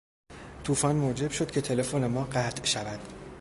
توفان موجب شد که تلفن ما قطع شود.